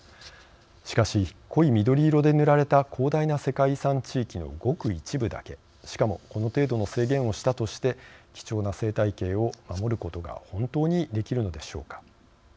しかし、濃い緑色で塗られた広大な世界遺産地域のごく一部だけ、しかもこの程度の制限をしたとして貴重な生態系を守ることが本当にできるのでしょうか。